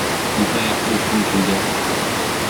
Ниһаять, ул көн килде.